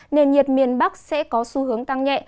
nền nhiệt miền bắc sẽ có xu hướng tăng nhẹ